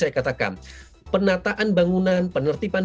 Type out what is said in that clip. saya katakan penataan bangunan penertiban